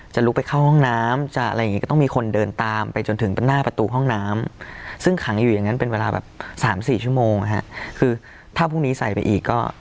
๓๔ชั่วโมงฮะคือถ้าพวกนี้ใส่ไปอีกก็